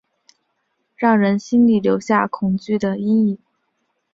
让人心里留下恐惧的阴影